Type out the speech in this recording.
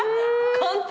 簡単。